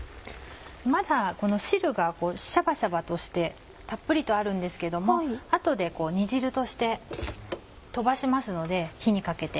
まだこの汁がシャバシャバとしてたっぷりとあるんですけども後で煮汁として飛ばしますので火にかけて。